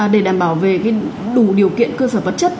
để đảm bảo về đủ điều kiện cơ sở vật chất